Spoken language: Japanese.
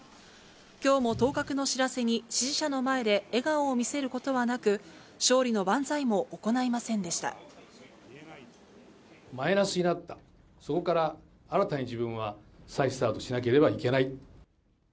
きょうも当確の知らせに、支持者の前で笑顔を見せることはなく、マイナスになった、そこから新たに自分は再スタートをしなければいけない。